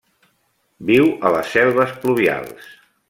Viu a les selves pluvials.